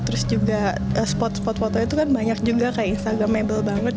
terus juga spot spot foto itu kan banyak juga kayak instagramable banget